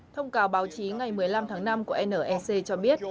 thông cáo báo chí ngày một mươi năm tháng năm của nec cho biết